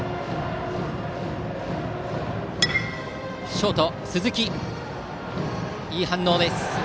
ショート鈴木、いい反応です。